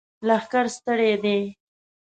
لښکر ستړی دی!